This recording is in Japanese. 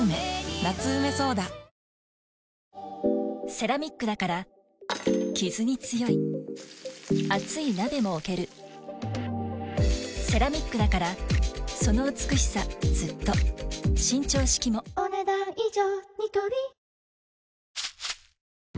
セラミックだからキズに強い熱い鍋も置けるセラミックだからその美しさずっと伸長式もお、ねだん以上。